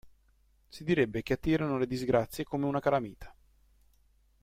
Si direbbe che attirano le disgrazie come una calamita.